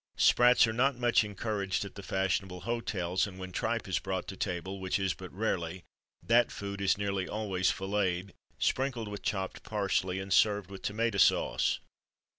Sprats are not much encouraged at the fashionable hotels; and when tripe is brought to table, which is but rarely, that food is nearly always filleted, sprinkled with chopped parsley, and served with tomato sauce.